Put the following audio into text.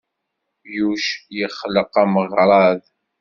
Yuc yexleq ameɣrad.